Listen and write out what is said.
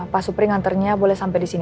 pak supri nganternya boleh sampai disini